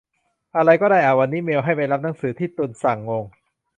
อะไรก็ได้อ่ะ วันนี้ได้เมลให้ไปรับหนังสือที่ตุลสั่ง งง